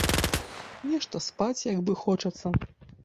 Нешта спаць як бы хочацца.